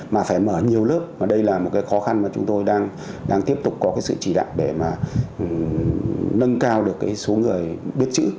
mà phải mở nhiều lớp và đây là một cái khó khăn mà chúng tôi đang tiếp tục có cái sự chỉ đạo để mà nâng cao được cái số người biết chữ